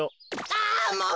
あもう！